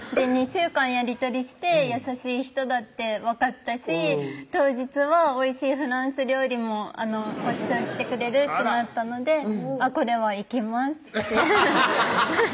週間やり取りして優しい人だって分かったし当日はおいしいフランス料理もごちそうしてくれるってなったのでこれは「行きます」って